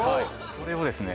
それをですね